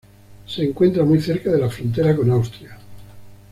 Se encuentra muy cerca de la frontera con Austria.